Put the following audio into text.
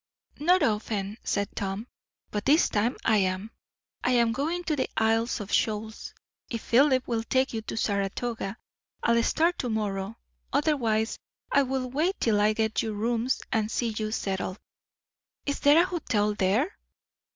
"Not often," said Tom; "but this time I am. I am going to the Isles of Shoals. If Philip will take you to Saratoga, I'll start to morrow; otherwise I will wait till I get you rooms and see you settled." "Is there a hotel there?"